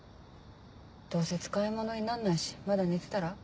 どうせ使いものになんないしまだ寝てたら？